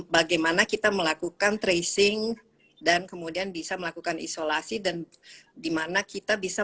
bagaimana kita melakukan tracing dan kemudian bisa melakukan isolasi dan dimana kita bisa